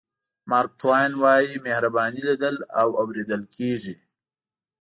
مارک ټواین وایي مهرباني لیدل او اورېدل کېږي.